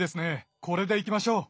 これでいきましょう。